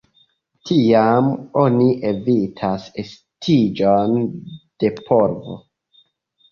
Tiam oni evitas estiĝon de polvo.